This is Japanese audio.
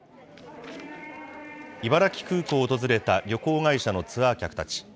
茨城空港を訪れた旅行会社のツアー客たち。